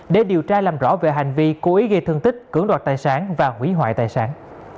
để điều tra làm rõ về hành vi cố ý gây thương tích cưỡng đoạt tài sản và hủy hoại tài sản